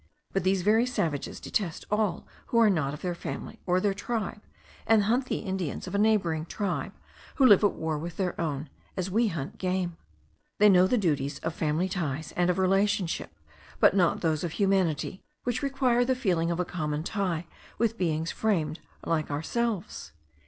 But these very savages detest all who are not of their family, or their tribe; and hunt the Indians of a neighbouring tribe, who live at war with their own, as we hunt game. They know the duties of family ties and of relationship, but not those of humanity, which require the feeling of a common tie with beings framed like ourselves.